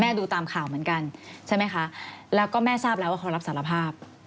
ดูตามข่าวเหมือนกันใช่ไหมคะแล้วก็แม่ทราบแล้วว่าเขารับสารภาพ